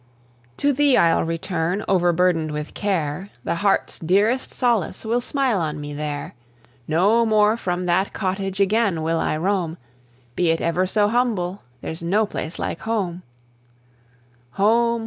To thee I'll return, overburdened with care; The heart's dearest solace will smile on me there; No more from that cottage again will I roam; Be it ever so humble, there's no place like Home. Home!